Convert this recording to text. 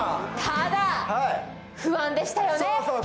ただ、不安でしたよね。